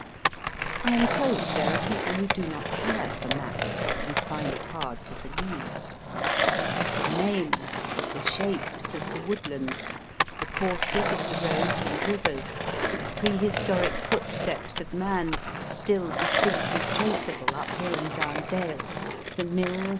I am told there are people who do not care for maps, and find it hard to believe. The names, the shapes of the woodlands, the courses of the roads and rivers, the prehistoric footsteps of ROBERT LOUIS STEVENSON 301 man still distinctly traceable up hill and down dale, the mills